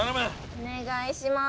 お願いします。